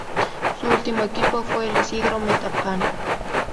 Su último equipo fue el Isidro Metapán.